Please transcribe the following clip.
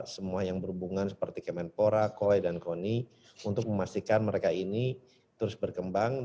semua yang berhubungan seperti kemenpora kole dan koni untuk memastikan mereka ini terus berkembang